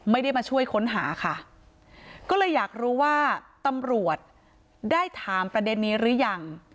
ไม่ได้มาช่วยค้นหาค่ะก็เลยอยากรู้ว่าตำรวจได้ถามประเด็นนี้หรือยัง